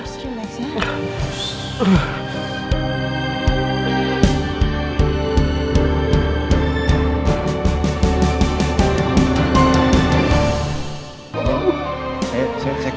papa harus relax ya